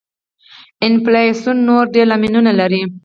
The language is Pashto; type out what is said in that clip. انفلاسیون نور ډېر لاملونه لري.